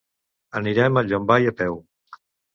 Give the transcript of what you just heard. Anirem a Llombai a peu.